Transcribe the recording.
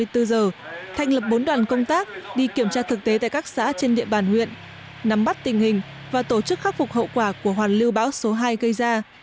thành lập bốn đoàn công tác đi kiểm tra thực tế tại các xã trên địa bàn huyện nắm bắt tình hình và tổ chức khắc phục hậu quả của hoàn lưu bão số hai gây ra